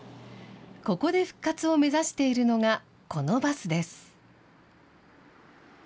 ここで復活を目指しているのが、このバスです。